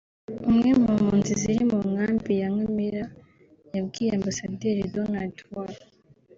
umwe mu mpunzi ziri mu nkambi ya Nkamira yabwiye Ambasaderi Donald W